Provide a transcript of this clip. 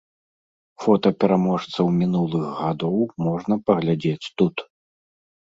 Фота пераможцаў мінулых гадоў можна паглядзець тут.